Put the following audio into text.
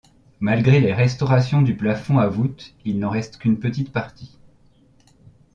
Malgré les restaurations du plafond à voûte il n'en reste qu'une petite partie.